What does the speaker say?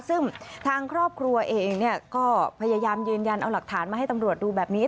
ซึ่งทางครอบครัวเองก็พยายามยืนยันเอาหลักฐานมาให้ตำรวจดูแบบนี้